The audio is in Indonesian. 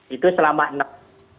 itu selama enam tahun